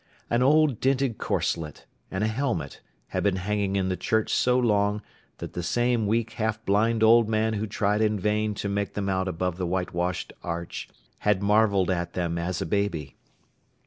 An old dinted corselet, and a helmet, had been hanging in the church so long, that the same weak half blind old man who tried in vain to make them out above the whitewashed arch, had marvelled at them as a baby.